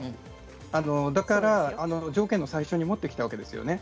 だから条件の最初に持ってきたわけですよね。